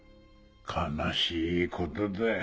悲しいことだ。